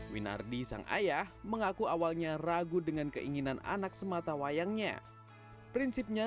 winardi sang ayah mengaku awalnya ragu dengan keinginan anak sematawayangnya prinsipnya